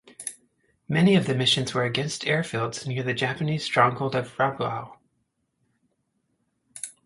Many of the missions were against airfields near the Japanese stronghold of Rabaul.